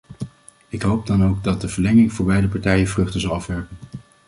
Ik hoop dan ook dat de verlenging voor beide partijen vruchten zal afwerpen.